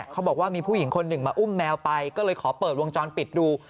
เขาบอกว่ามีผู้หญิงคนหนึ่งมาอุ้มแมวไปก็เลยขอเปิดวงจรปิดดู